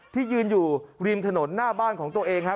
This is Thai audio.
ที่ยืนอยู่ริมถนนหน้าบ้านของตัวเองฮะ